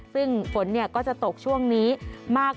ซึ่งฝนก็จะตกช่วงนี้มาก